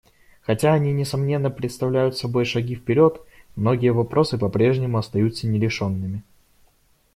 Хотя они, несомненно, представляют собой шаги вперед, многие вопросы по-прежнему остаются нерешенными.